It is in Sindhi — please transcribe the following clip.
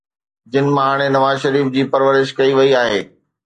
جن مان هاڻي نواز شريف جي پرورش ڪئي وئي آهي.